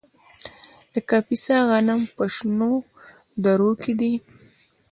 د کاپیسا غنم په شنو درو کې دي.